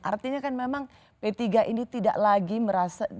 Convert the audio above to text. artinya kan memang p tiga ini tidak lagi merasa